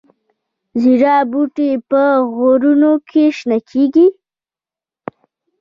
زیره بوټی په غرونو کې شنه کیږي؟